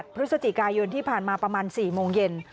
พฤศจิกายนที่ผ่านมาประมาณ๔โมงเย็น